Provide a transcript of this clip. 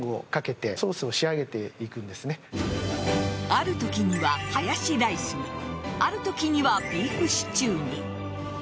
あるときにはハヤシライスにあるときにはビーフシチューに。